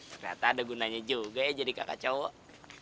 ternyata ada gunanya juga ya jadi kakak cowok